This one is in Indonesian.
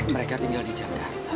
mereka tinggal di jakarta